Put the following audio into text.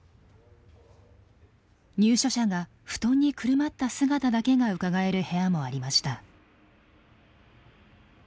入所者が布団にくるまった姿だけがうかがえる部屋もありました。